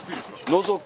のぞく？